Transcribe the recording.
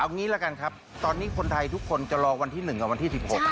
เอางี้ละกันครับตอนนี้คนไทยทุกคนจะรอวันที่๑กับวันที่๑๖